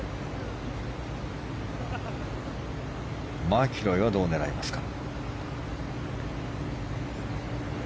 マキロイはどう狙いますか。